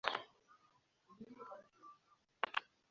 Nshobora gufata umunsi w'ikiruhuko?